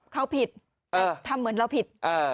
เขาผิดทำเหมือนเราผิด